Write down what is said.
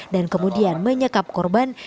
dan kemudian menyekepkan